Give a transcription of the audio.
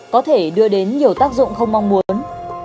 có thể đưa đến nhiều tác dụng không mong muốn